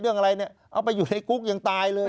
เรื่องอะไรเนี่ยเอาไปอยู่ในกุ๊กยังตายเลย